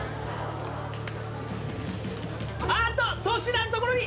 あーっと粗品のところに。